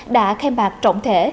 đã khen bạc trọng thể